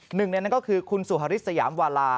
หนึ่งในนั้นก็คือคุณสุฮริสยามวาลา